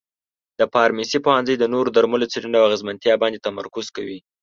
د فارمسي پوهنځی د نوو درملو څېړنې او اغیزمنتیا باندې تمرکز کوي.